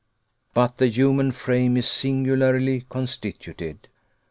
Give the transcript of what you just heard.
But the human frame is singularly constituted.